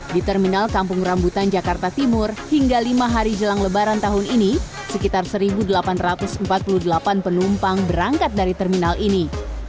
di terminal kampung rambutan jakarta timur hingga lima hari jelang lebaran tahun ini sekitar satu delapan ratus empat puluh delapan penumpang berangkat dari terminal ini